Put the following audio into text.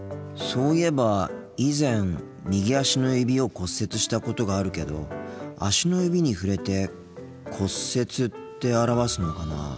そういえば以前右足の指を骨折したことがあるけど足の指に触れて「骨折」って表すのかな。